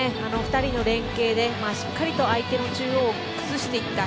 ２人の連係でしっかりと相手の中央を崩していった。